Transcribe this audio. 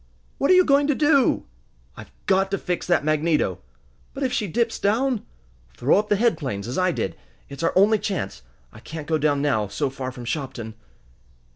"What are you going to do?" "I've got to fix that magneto!" "But if she dips down?" "Throw up the head planes as I did. It's our only chance! I can't go down now, so far from Shopton!"